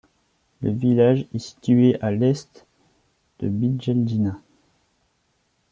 Le village est situé à l'est de Bijeljina.